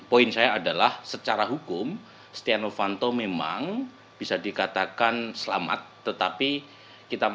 poin saya adalah secara hukum setia novanto memang bisa dikatakan selamat tetapi kita